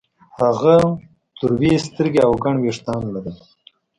هغه تروې سترګې او ګڼ وېښتان لرل